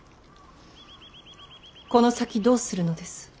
この先どうするのです。